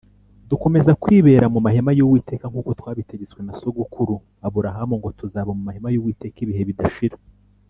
dukomeza kwibera mu mahema y`uwiteka nkuko twabitegetswe na sogokuru aburahamu ko tuzaba mumahema y`uwiteka ibihe bidashira.